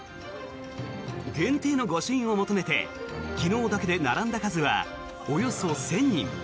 限定の御朱印を求めて昨日だけで並んだ数はおよそ１０００人。